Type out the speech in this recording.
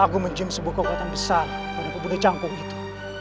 aku menjemput sebuah kekuatan besar pada pembunuh cangkong itu